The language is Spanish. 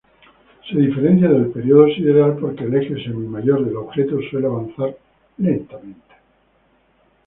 Se diferencia del período sideral porque el eje semi-mayor del objeto suele avanzar lentamente.